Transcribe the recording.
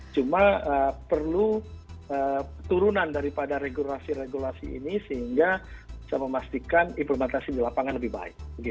cuma perlu turunan daripada regulasi regulasi ini sehingga bisa memastikan implementasi di lapangan lebih baik